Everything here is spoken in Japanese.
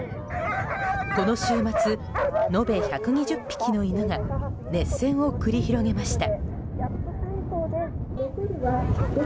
この週末、延べ１２０匹の犬が熱戦を繰り広げました。